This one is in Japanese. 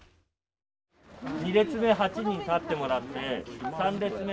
２列目８人立ってもらって３列目。